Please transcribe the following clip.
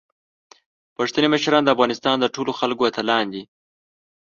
پښتني مشران د افغانستان د ټولو خلکو اتلان دي.